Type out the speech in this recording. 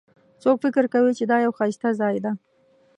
څوک فکر کوي چې دا یو ښایسته ځای ده